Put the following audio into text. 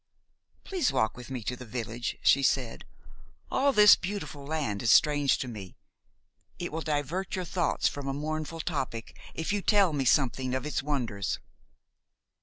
"Please walk with me to the village," she said. "All this beautiful land is strange to me. It will divert your thoughts from a mournful topic if you tell me something of its wonders."